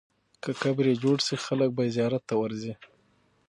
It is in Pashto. که قبر یې جوړ سي، خلک به یې زیارت ته ورځي.